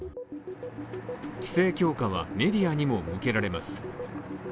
規制強化はメディアにも向けられます。